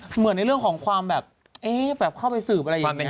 เหมือนในเรื่องของแบบเอ๊แบบเข้าไปสืบอะไรอย่างเนี่ย